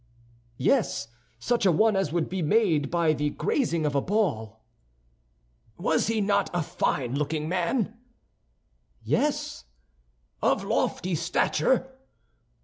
"Yes, such a one as would be made by the grazing of a ball." "Was he not a fine looking man?" "Yes." "Of lofty stature."